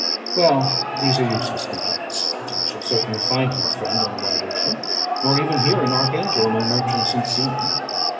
Well, these are useless complaints; I shall certainly find no friend on the wide ocean, nor even here in Archangel, among merchants and seamen.